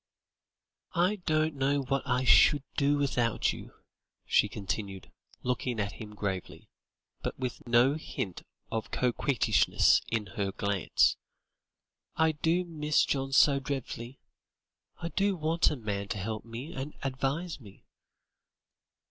"I don't know what I should do without you," she continued, looking at him gravely, but with no hint of coquettishness in her glance. "I do miss John so dreadfully; I do want a man to help me and advise me."